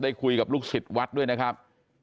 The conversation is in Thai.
คุยกับลูกศิษย์วัดด้วยนะครับ